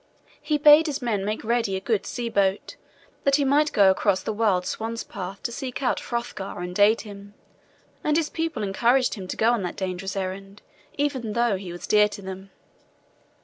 He bade his men make ready a good sea boat, that he might go across the wild swan's path to seek out Hrothgar and aid him; and his people encouraged him to go on that dangerous errand even though he was dear to them.